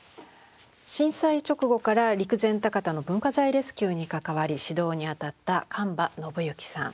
震災直後から陸前高田の文化財レスキューに関わり指導に当たった神庭信幸さん。